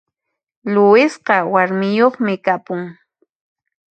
Luisqa warmiyoqmi kapun